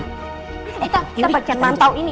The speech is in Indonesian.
kita baca mantau ini